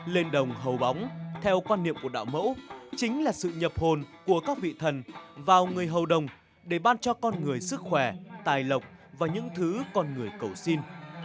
lên đồng hầu bóng theo quan niệm của đạo mẫu chính là sự nhập hồn của các vị thần vào người hầu đồng để ban cho con người sức khỏe tài lộc và những thứ con người cầu xin